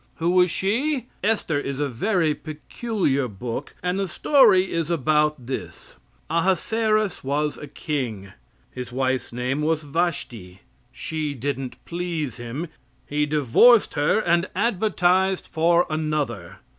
Who was she? Esther is a very peculiar book, and the story is about this: Ahasaerus was a king. His wife's name was Vashti. She didn't please him. He divorced her, and advertised for another.